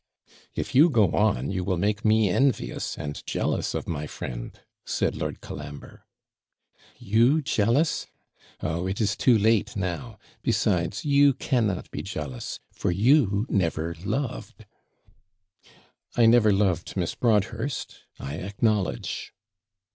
'If you go on, you will make me envious and jealous of my friend,' said Lord Colambre. 'You jealous! Oh, it is too late now besides, you cannot be jealous, for you never loved.' 'I never loved Miss Broadhurst, I acknowledge.'